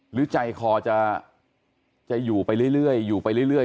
หรือใจคอจะจะอยู่ไปเรื่อยเรื่อยอยู่ไปเรื่อยเรื่อย